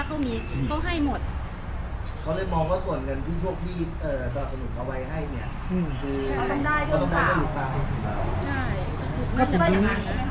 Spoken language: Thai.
เขามองว่าส่วนเงินพี่พวกหลังสนุกตาร์ไว้ให้เนี่ยนะคะว่าอาณาสนุกการ์คน